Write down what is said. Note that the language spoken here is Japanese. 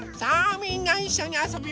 みんないっしょにあそびますよ。